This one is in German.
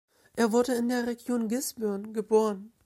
Er wurde in der Region Gisborne geboren.